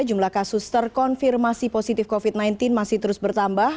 jumlah kasus terkonfirmasi positif covid sembilan belas masih terus bertambah